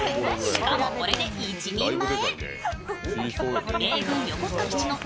しかもこれで１人前。